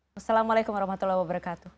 wassalamualaikum warahmatullahi wabarakatuh